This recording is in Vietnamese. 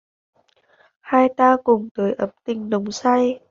Hai ta cùng tới ấm tình nồng say!